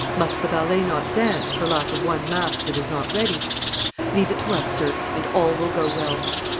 Must the ballet not dance, for lack of one mask that is not ready? Leave it to us, sir, and all will go well.